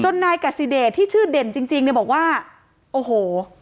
นายกัสซิเดชที่ชื่อเด่นจริงจริงเนี่ยบอกว่าโอ้โห